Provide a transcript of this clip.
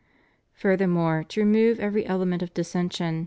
Furthermore, to remove every element of dissension.